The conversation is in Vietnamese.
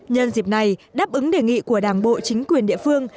nhân dịp này đáp ứng đề nghị của đảng bộ chính quyền địa phương